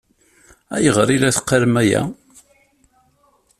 Ayɣer i la teqqaṛem aya?